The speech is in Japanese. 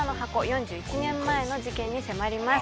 ４１年前の事件に迫ります